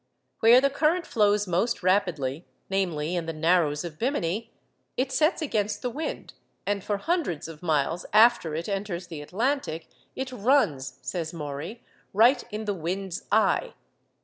Where the current flows most rapidly, namely, in the Narrows of Bemini, it sets against the wind, and for hundreds of miles after it enters the Atlantic 'it runs,' says Maury, 'right in the "wind's eye."